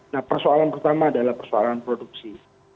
nah persoalan pertama adalah persoalan produksi